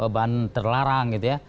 bahan terlarang gitu ya